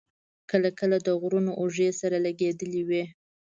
کله کله د غرونو اوږې سره لګېدلې وې.